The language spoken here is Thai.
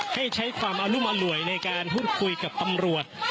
ให้ใช้ความอรุมอร่วยในการพูดคุยกับตำรวจ